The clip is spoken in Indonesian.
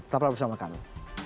tetaplah bersama kami